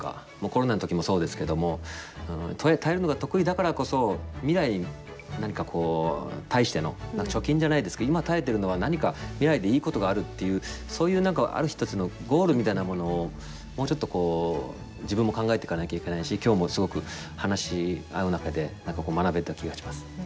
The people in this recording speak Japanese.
コロナの時もそうですけども耐えるのが得意だからこそ未来に対しての貯金じゃないですけど今耐えてるのは何か未来でいいことがあるっていうそういう何かある一つのゴールみたいなものをもうちょっと自分も考えていかなきゃいけないし今日もすごく話し合う中で何かこう学べた気がします。